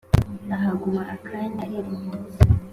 Ahaguma akanya ariruhutsa!